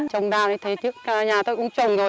trồng đào thì nhà tôi cũng trồng rồi